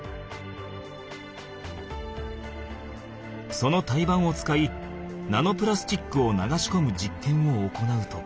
その胎盤を使いナノプラスチックを流しこむじっけんを行うと。